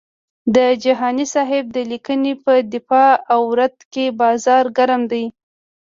د جهاني صاحب د لیکنې په دفاع او رد کې بازار ګرم دی.